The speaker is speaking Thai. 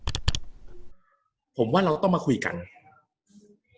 กับการสตรีมเมอร์หรือการทำอะไรอย่างเงี้ย